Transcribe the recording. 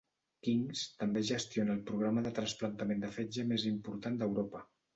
King's també gestiona el programa de trasplantament de fetge més important d'Europa.